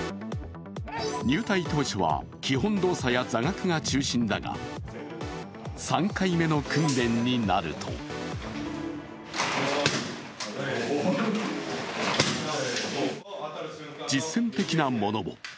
入隊当初は、基本動作や座学が中心だが、３回目の訓練になると実戦的なものも。